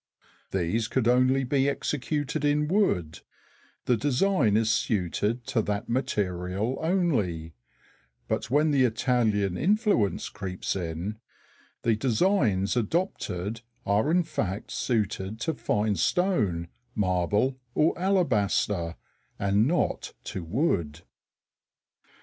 These could only be executed in wood; the design is suited to that material only; but when the Italian influence creeps in, the designs adopted are in fact suited to fine stone, marble, or alabaster, and not to wood.